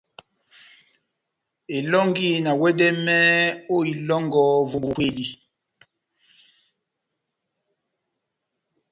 Elɔ́ngi na wɛdɛmɛhɛ ó ilɔ́ngɔ vómbo vó kwedi.